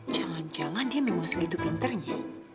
jangan jangan dia memang segitu pintarnya